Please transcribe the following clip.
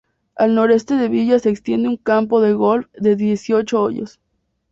Al noreste de la villa se extiende un campo de golf de dieciocho hoyos.